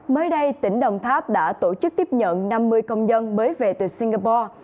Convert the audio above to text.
mới đây tỉnh đồng tháp đã tổ chức tiếp nhận năm mươi công dân mới về từ singapore